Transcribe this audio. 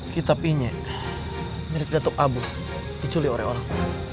kitab ini milik dato abu dicuri oleh orang